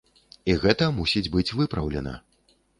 І гэта мусіць быць выпраўлена.